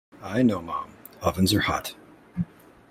I know, Mom, ovens are hot